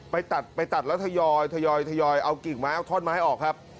ไปตัดไปตัดแล้วทยอยทยอยเอากิ่งไม้เอาท่อนไม้ออกครับ